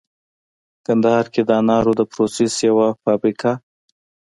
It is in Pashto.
کندهار کې د انارو د پروسس یوه فابریکه